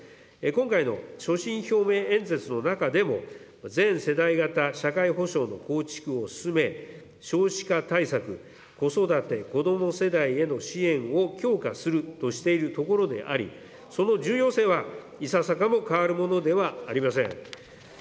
今回の所信表明演説の中でも、全世代型社会保障の構築を進め、少子化対策、子育て子ども世代への支援を強化するとしているところであり、その重要性は、いささかも変わるものではありません。